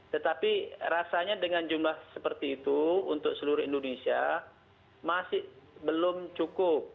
tetapi rasanya dengan jumlah seperti itu untuk seluruh indonesia masih belum cukup